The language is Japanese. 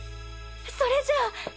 それじゃあ。